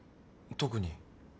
特に。